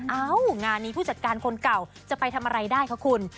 เอ้างานนี้ผู้จัดการคนเก่าจะไปทำอะไรได้คะคุณ